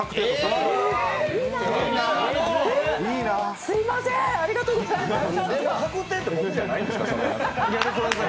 え、すみません、ありがとうございます。